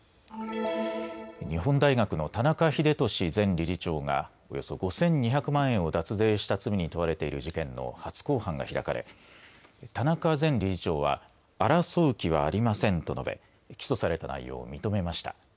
日本大学の田中英壽前理事長がおよそ５２００万円を脱税した罪に問われている事件の初公判が開かれ田中前理事長は争う気はありませんと述べ起訴された内容を認めました。